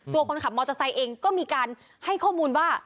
ตัวคนขับมอเตอร์ไซค์เองก็มีการให้ข้อมูลว่า